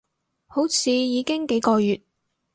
好似已經幾個月